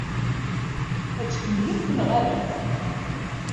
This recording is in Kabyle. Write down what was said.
Ad t-tkemmlemt neɣ ala?